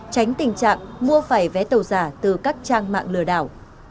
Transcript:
tránh tình trạng mua phải vé tàu giả từ các trang mạng lừa đảo